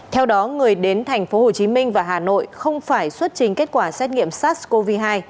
theo đó người đến tp hcm và hà nội không phải xuất trình kết quả xét nghiệm sars cov hai